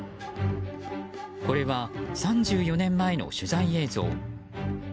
これは３４年前の取材映像。